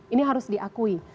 ini harus diakui